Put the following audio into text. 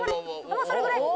もうそれぐらい。